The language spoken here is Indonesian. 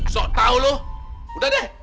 sok tau lu udah deh